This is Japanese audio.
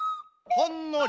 ほんのり？